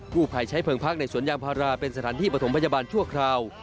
ผู้ภัยใช้เพลิงพักในสวนยางพาราเป็นสถานที่ประถมพยาบาลชั่วคราว